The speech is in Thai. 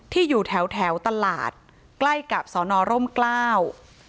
อยู่แถวแถวตลาดใกล้กับสอนอร่มกล้า